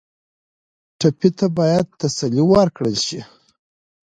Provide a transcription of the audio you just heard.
ټپي ته باید تسلي ورکړل شي.